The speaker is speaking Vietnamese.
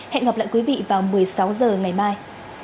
hẹn gặp lại quý vị vào một mươi sáu h ngày mai